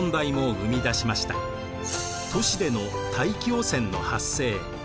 都市での大気汚染の発生。